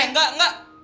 eh enggak enggak